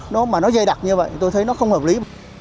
nó mà nó dây đặc như vậy tôi thấy nó không hợp lý